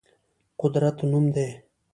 قدرت نوم دی.